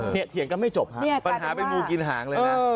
เถียงกันไม่จบฮะปัญหาเป็นงูกินหางเลยนะ